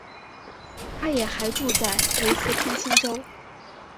她也还住在威斯康星州。